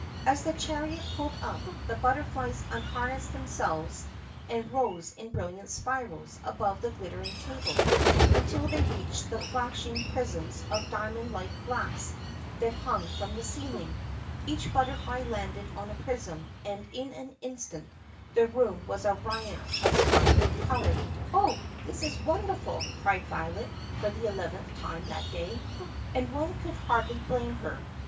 As the chariot pulled up, the butterflies unharnessed themselves and rose in brilliant spirals above the glittering table until they reached the flash ing prisms of diamond like glass that hung from the ceiling. Each but'terfly landed on a prism and in an instant the room was a riot of sparkling color. 70 THE PUSSYCAT PRINCESS "Oh, this is wonderful!" cried Violet for the eleventh time that day. And one could hardly blame her.